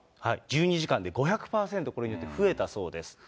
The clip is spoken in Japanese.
１２時間で５００％、これで増えたそうです。